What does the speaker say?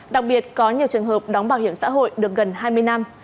đặc biệt có nhiều trường hợp đóng bảo hiểm xã hội được gần hai mươi năm